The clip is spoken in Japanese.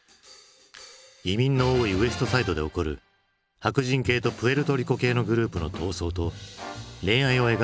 移民の多いウエストサイドで起こる白人系とプエルトリコ系のグループの闘争と恋愛を描くミュージカル。